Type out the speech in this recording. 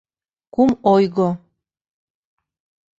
КУМ ОЙГО